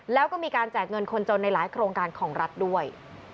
แล้วก็มีการแจกเงินคนจนในหลายโครงการของรัฐด้วย